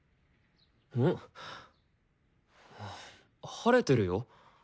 晴れてるよ。